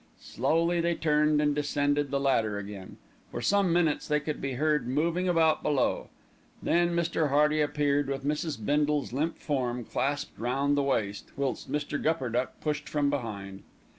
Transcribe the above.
Slowly they turned and descended the ladder again. For some minutes they could be heard moving about below, then Mr. Hearty appeared with Mrs. Bindle's limp form clasped round the waist, whilst Mr. Gupperduck pushed from behind.